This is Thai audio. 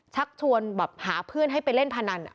ชักชวนแบบหาเพื่อนให้ไปเล่นพนัน